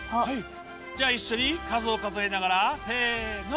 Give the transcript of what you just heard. じゃあ一緒に数を数えながらせの！